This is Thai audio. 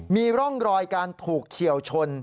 มีร่องรอยการถูกเฉียวชน